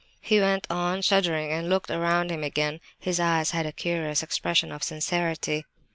he went on, shuddering; and looked round him again. His eyes had a curious expression of sincerity.